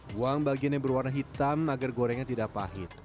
buang bagian yang berwarna hitam agar gorengnya tidak pahit